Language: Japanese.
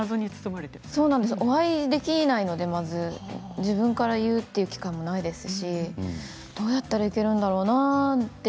まずお会いできないので自分から言うという機会もないですしどうやったら行けるんだろうなと。